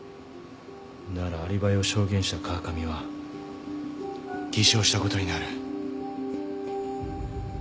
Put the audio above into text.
ならアリバイを証言した川上は偽証したことになる。